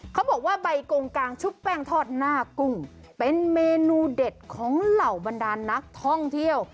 เขาบอกว่าใบกงกางชุบแป้งทอดหน้ากุ้งเป็นเมนูเด็ดของเหล่าบรรดานนักท่องเที่ยว